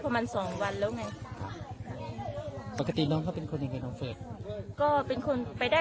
อย่างที่ว่าความเป็นไปได้ที่นี้